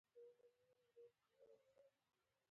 ترکمنان په کومو کارونو بوخت دي؟